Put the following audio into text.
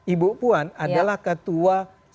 ibu puan adalah ketua